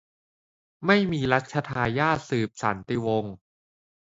ไม่มีรัชทายาทสืบสันติวงศ์